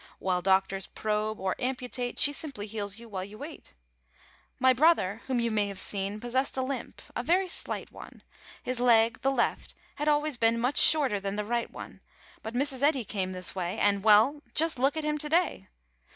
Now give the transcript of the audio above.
While doctors probe or amputate, She simply heals you while you wait. My brother, whom you may have seen, Possessed a limp, a very slight one; His leg, the left, had always been Much shorter than the right one; But Mrs. Eddy came his way, And ... well, just look at him to day!